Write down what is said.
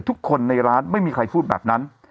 ทุกคนในร้านไม่มีใครพูดแบบนั้น